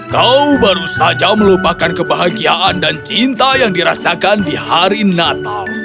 kau baru saja melupakan kebahagiaan dan cinta yang dirasakan di hari natal